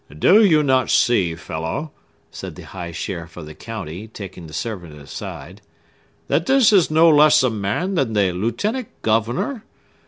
"Do not you see, fellow," said the high sheriff of the county, taking the servant aside, "that this is no less a man than the lieutenant governor?